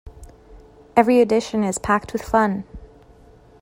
Every edition is packed with fun!